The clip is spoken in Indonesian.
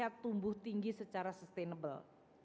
kita tumbuh tinggi secara sustainable